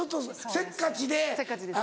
せっかちです。